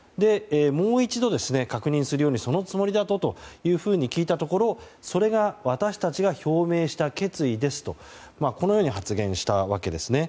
もう一度、確認するようにそのつもりだと？と聞いたところそれが私たちが表明した決意ですと発言したわけですね。